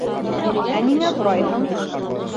Ә ниңә һорайһың?